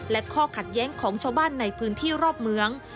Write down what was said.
และข้อขัดแย้งของชาวบ้านในพื้นที่รอบเมือง